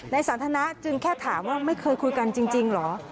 สันทนาจึงแค่ถามว่าไม่เคยคุยกันจริงเหรอ